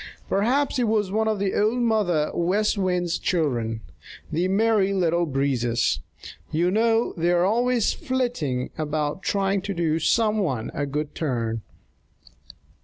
Perhaps it was one of Old Mother West Wind's children, the Merry Little Breezes. You know they are always flitting about trying to do some one a good turn.